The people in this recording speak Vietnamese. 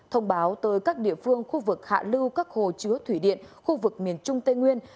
thông báo tới các địa phương khu vực hạ lưu các hồ chứa thủy điện khu vực miền trung tây nguyên